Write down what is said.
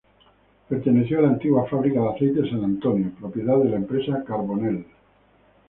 Perteneció a la antigua fábrica de aceites "San Antonio", propiedad de la empresa Carbonell.